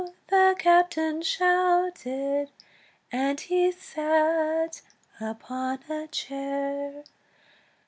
the captain shouted, And he sat upon a chair.